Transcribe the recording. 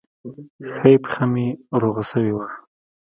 ښۍ پښه مې روغه سوې وه.